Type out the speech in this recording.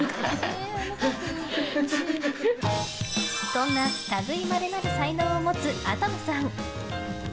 そんな類いまれなる才能を持つ空叶夢さん。